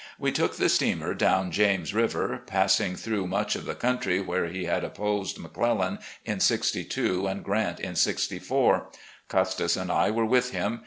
We took the steamer down James River, passing through much of the coxmtry where he had opposed McClellan in '62 and Grant in '64. Custis and I were with him.